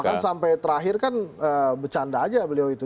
bahkan sampai terakhir kan bercanda aja beliau itu